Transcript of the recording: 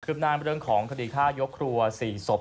คืบหน้าในเรื่องของคดีค้ายกครัว๔ศพ